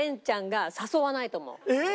えっ！